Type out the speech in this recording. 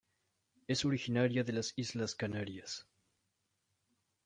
Es originaria de las Islas Canarias.